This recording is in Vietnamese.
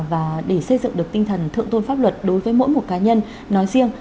và để xây dựng được tinh thần thượng tôn pháp luật đối với mỗi một cá nhân nói riêng